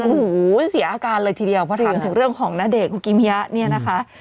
โอ้โหเสียอาการเลยทีเดียวพอถามถึงเรื่องของณเดชนคุกิมิยะเนี่ยนะคะ